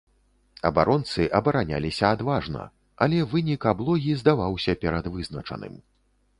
Абаронцы абараняліся адважна, але вынік аблогі здаваўся прадвызначаным.